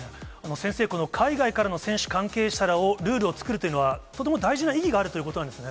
先生、この海外からの選手、関係者らをルールを作るというのは、とても大事な意義があるということなんですね？